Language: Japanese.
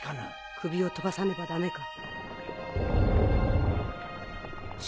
首を飛ばさねばダメか。